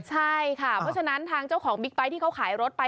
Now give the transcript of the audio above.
ใช่ค่ะเพราะฉะนั้นทางเจ้าของบิ๊กไบท์ที่เขาขายรถไป